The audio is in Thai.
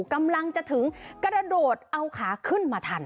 กำลังจะถึงกระโดดเอาขาขึ้นมาทัน